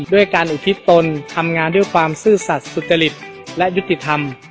ด้วยการอุทิศตนทำงานด้วยความซื่อสัตว์สุจริตและยุติธรรม